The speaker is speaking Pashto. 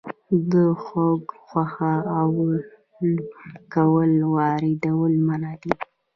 د خوګ غوښه او الکول واردول منع دي؟